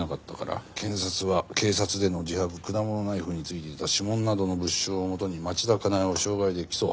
検察は警察での自白果物ナイフに付いていた指紋などの物証をもとに町田加奈江を傷害で起訴。